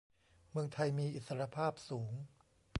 เมืองไทยมีอิสรภาพสูง